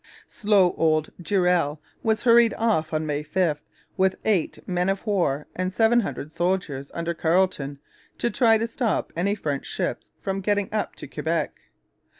Slow old Durell was hurried off on May 5 with eight men of war and seven hundred soldiers under Carleton to try to stop any French ships from getting up to Quebec.